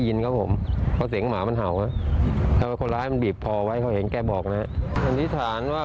ผีบแกเข้าไปใต้ใต้ใต้นั้นครับใต้ใต้บ้านนั้นนะครับ